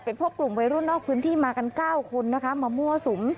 พบกลุ่มวัยรุ่นนอกพื้นที่มากัน๙คนนะคะมามั่วสุม